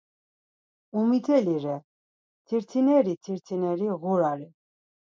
Umiteli re, tirtineri tirtineri ğurare.